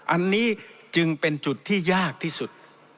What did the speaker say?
อันนี้จึงเป็นจุดที่ยากที่สุด